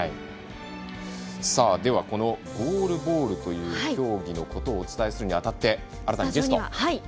では、このゴールボールという競技のことをお伝えするにあたって新たなゲストを。